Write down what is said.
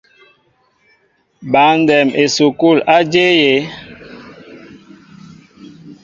Băndɛm esukul a jȇl yé?